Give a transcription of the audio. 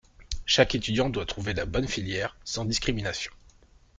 Chaque étudiant doit trouver la bonne filière, sans discrimination.